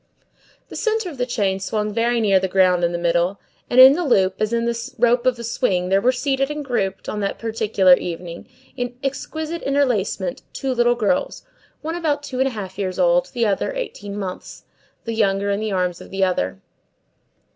The centre of the chain swung very near the ground in the middle, and in the loop, as in the rope of a swing, there were seated and grouped, on that particular evening, in exquisite interlacement, two little girls; one about two years and a half old, the other, eighteen months; the younger in the arms of the other.